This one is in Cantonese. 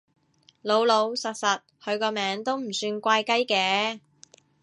老老實實，佢個名都唔算怪雞嘅